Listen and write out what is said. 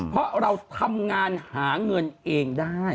เพราะเราทำงานหาเงินเองได้